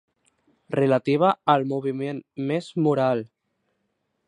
Relativa al moviment més moral.